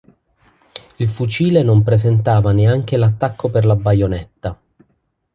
Il fucile non presentava neanche l'attacco per la baionetta.